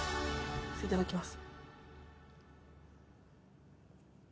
いただきます。